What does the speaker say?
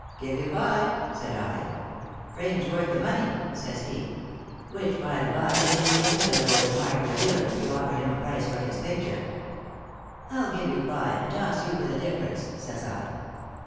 " Give you five," said I. "Frame's worth the money," says he, which, by the bye, is the inevitable remark of a dealer if you offer him a price for his picture. " I'll give you five, and toss you for the difference," says I.